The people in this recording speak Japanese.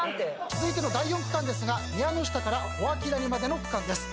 続いての第４区間ですが宮ノ下から小涌谷までの区間です。